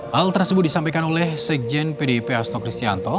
hal tersebut disampaikan oleh sekjen pdip hasto kristianto